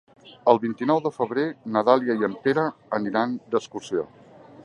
El vint-i-nou de febrer na Dàlia i en Pere aniran d'excursió.